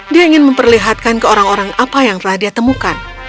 dia ingin memperlihatkan ke orang orang apa yang telah dia temukan